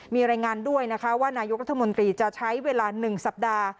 มีรายงานด้วยนะคะว่านายกรัฐมนตรีจะใช้เวลา๑สัปดาห์